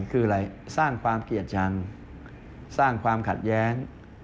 คืออะไรสร้างความเกลียดชังสร้างความขัดแย้ง